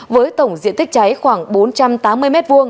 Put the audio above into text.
với tổng diện tích cháy khoảng bốn trăm tám mươi m hai